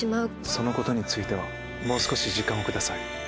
そのことについてはもう少し時間をください。